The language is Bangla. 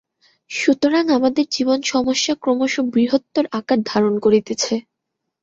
সুতরাং আমাদের জীবনসমস্যা ক্রমশ বৃহত্তর আকার ধারণ করিতেছে।